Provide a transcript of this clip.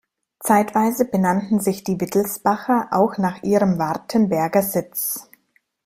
Zeitweise benannten sich die Wittelsbacher auch nach ihrem Wartenberger Sitz.